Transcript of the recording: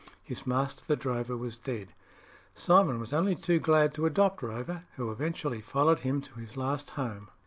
His master the drover was dead. Simon was only too glad to adopt Rover, who eventually followed him to his last home.